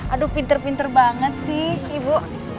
aduh pinter pinter banget sih ibu